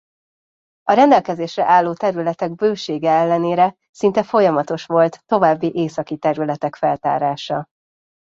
A rendelkezésre álló területek bősége ellenére szinte folyamatos volt további északi területek feltárása.